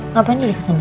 ngapain dia kesana